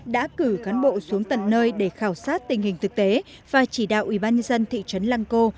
đã cử cán bộ xuống tận nơi để khảo sát tình hình thực tế và chỉ đạo ubnd thị trấn lăng cô